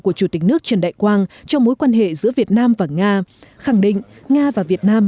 của chủ tịch nước trần đại quang trong mối quan hệ giữa việt nam và nga khẳng định nga và việt nam